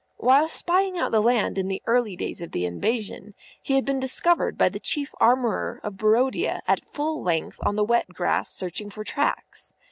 While spying out the land in the early days of the invasion, he had been discovered by the Chief Armourer of Barodia at full length on the wet grass searching for tracks.